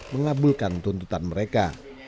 mengabulkan tuntutan mereka